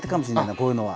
こういうのは。